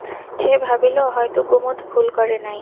সে ভাবিল, হয়তো কুমুদ ভুল করে নাই।